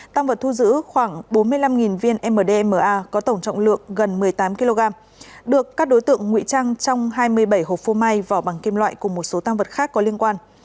tăng vật thu giữ khoảng bốn mươi năm viên mdma có tổng trọng lượng gần một mươi tám kg được các đối tượng nguy trang trong hai mươi bảy hộp phô mai vỏ bằng kim loại cùng một số tăng vật khác có liên quan